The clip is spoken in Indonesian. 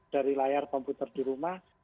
dari layar komputer di rumah